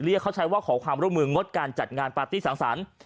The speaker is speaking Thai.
เขาใช้ว่าขอความร่วมมืองดการจัดงานปาร์ตี้สังสรรค์